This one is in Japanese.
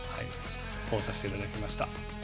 こうさせていただきました。